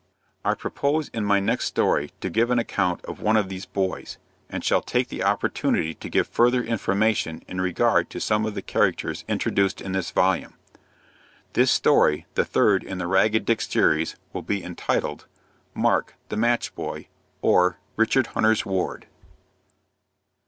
I propose in my next story to give an account of one of these boys, and shall take the opportunity to give further information in regard to some of the characters introduced in this volume. This story, the third in the Ragged Dick series; will be entitled MARK, THE MATCH BOY; OR, RICHARD HUNTER'S WARD.